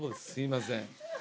すいません。